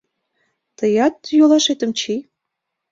Тыят йолашетым чий.